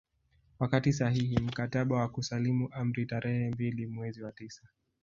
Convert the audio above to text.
Wakatia sahihi mkataba wa kusalimu amri tarehe mbili mwezi wa tisa